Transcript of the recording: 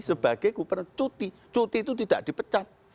sebagai gubernur cuti cuti itu tidak dipecat